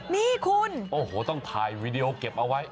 นี่คุณโอ้โหต้องถ่ายวีดีโอเก็บเอาไว้